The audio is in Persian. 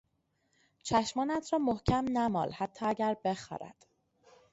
چشمانت را محکم نمال حتی اگر بخارد.